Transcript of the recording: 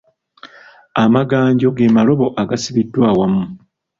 Amaganjo ge malobo agasibiddwa awamu.